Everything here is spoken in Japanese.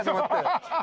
ハハハハ！